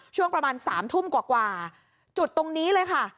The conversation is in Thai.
ช่วงประมาณ๓ทุ่มกว่าจุดตรงนี้เลยค่ะ